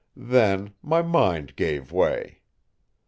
Then my mind gave way.